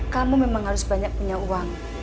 kamu memang harus banyak punya uang